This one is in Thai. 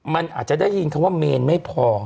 มันอาจจะได้ยินคำว่าเมนไม่พอ